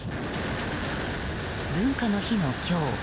文化の日の今日